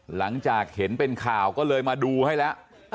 หลังจากเห็นเป็นข่าวก็เลยมาดูให้แล้ว